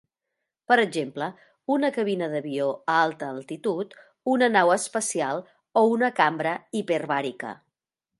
Per exemple, una cabina d'avió a alta altitud, una nau espacial, o una cambra hiperbàrica.